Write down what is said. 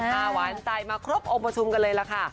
หวานใจมาครบองค์ประชุมกันเลยล่ะค่ะ